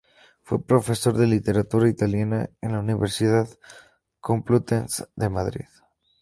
Fue profesor de literatura italiana en la Universidad Complutense de Madrid.